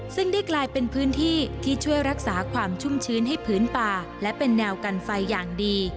ซึ่งได้กลายเป็นพื้นที่ที่ช่วยรักษาความชุ่มชื้นให้พื้นป่าและเป็นแนวกันไฟอย่างดี